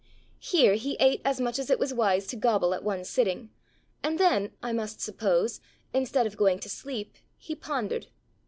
Here he ate as much as it was wise to gobble at one sitting, and then, I must suppose, instead of going to sleep, he pondered.